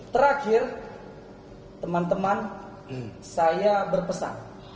terakhir teman teman saya berpesan